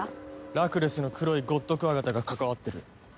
ラクレスの黒いゴッドクワガタが関わってる。